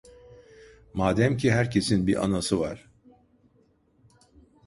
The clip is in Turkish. Madem ki herkesin bir anası var!